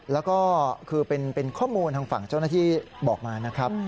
แล้วก็คือเป็นข้อมูลทางฝั่งเจ้าหน้าที่บอกมานะครับ